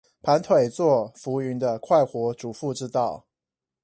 盤腿坐浮雲的快活主婦之道